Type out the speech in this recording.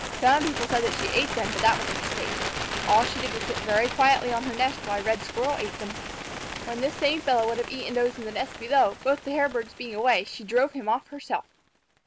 Some people said that she ate them, but that was a mistake. All that she did was to sit very quietly on her nest while a Red Squirrel ate them. When this same fellow would have eaten those in the nest below, both the Hairbirds being away, she drove him off herself.